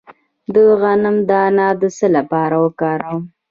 د غنم دانه د څه لپاره وکاروم؟